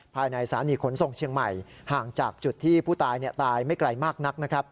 สถานีขนส่งเชียงใหม่ห่างจากจุดที่ผู้ตายตายไม่ไกลมากนักนะครับ